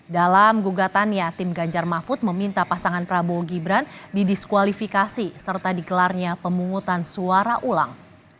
dalam gugatannya tim ganjar mahfud meminta pasangan prabowo gibran didiskualifikasi serta digelarnya pemungutan suara ulang